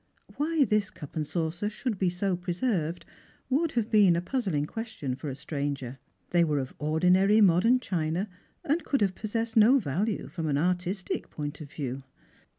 Why this cup and saucer should be so preserved would have been a puzzling question for a stranger. They were of ordinary modern china, and could have possessed no value from an artistic point of view.